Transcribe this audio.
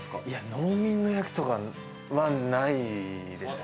農民の役とかはないですね。